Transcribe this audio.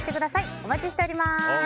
お待ちしております。